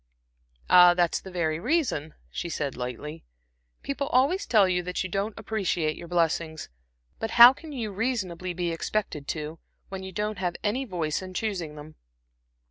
"Ah, that's the very reason," she said, lightly. "People always tell you that you don't appreciate your blessings; but how can you reasonably be expected to, when you don't have any voice in choosing them?"